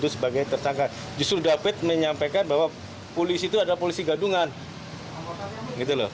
sebagai tersangka justru david menyampaikan bahwa polisi itu adalah polisi gadungan gitu loh